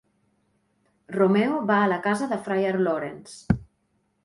Romeo va a la casa de Friar Lawrence.